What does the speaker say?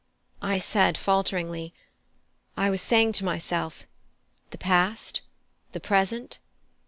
I said falteringly: "I was saying to myself, The past, the present?